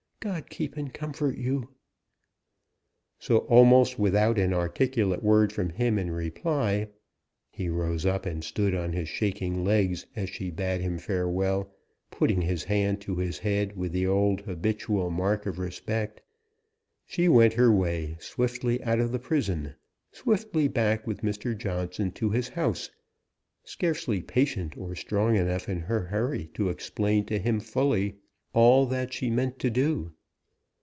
God keep and comfort you!" So almost without an articulate word from him in reply (he rose up, and stood on his shaking legs, as she bade him farewell, putting his hand to his head with the old habitual mark of respect), she went her way, swiftly out of the prison, swiftly back with Mr. Johnson to his house, scarcely patient or strong enough in her hurry to explain to him fully all that she meant to do.